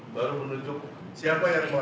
ya mungkin ada sedikit penyimpangan dari pak